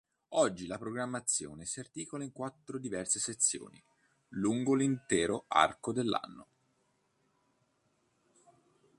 Oggi la programmazione si articola in quattro diverse sezioni, lungo l'intero arco dell'anno.